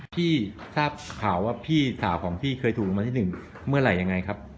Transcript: พี่ทราบข่าวว่าพี่สาวของพี่เคยถูกรางวัลที่๑เมื่อไหร่ยังไงครับ